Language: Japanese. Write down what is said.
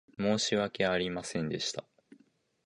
申し訳ありませんでした。